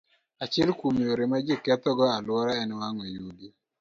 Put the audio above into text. Achiel kuom yore ma ji kethogo alwora en wang'o yugi.